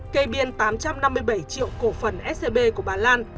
kê biên tám trăm năm mươi bảy triệu cổ phần scb của bà lan